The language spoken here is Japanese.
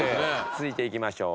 続いていきましょう。